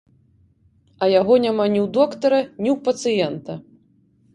А яго няма ні ў доктара, ні ў пацыента!